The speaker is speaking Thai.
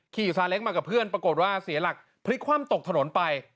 ซาเล้งมากับเพื่อนปรากฏว่าเสียหลักพลิกคว่ำตกถนนไป